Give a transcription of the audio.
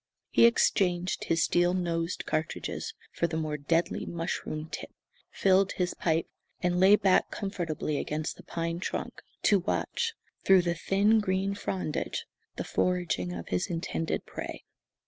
He exchanged his steel nosed cartridges for the more deadly mushroom tipped, filled his pipe, and lay back comfortably against the pine trunk, to watch, through the thin green frondage, the foraging of his intended prey.